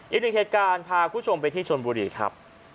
อีกหนึ่งเหตุการะพาชมไปที่จนบุรีครับ